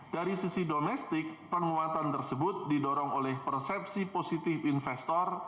dari sisi domestik penguatan tersebut didorong oleh persepsi positif investor